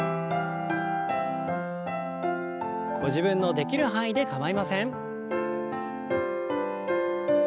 ご自分のできる範囲で構いません。